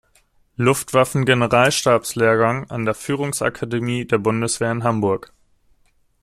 Luftwaffen-Generalstabslehrgang an der Führungsakademie der Bundeswehr in Hamburg.